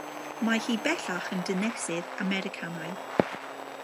Mae hi bellach yn ddinesydd Americanaidd.